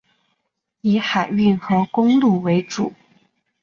以海运和公路为主。